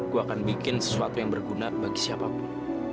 gue akan bikin sesuatu yang berguna bagi siapapun